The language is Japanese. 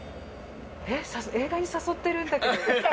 えっ、映画に誘ってるんだけど。